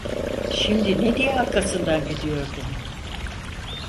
Şimdi ne diye arkasından gidiyordum?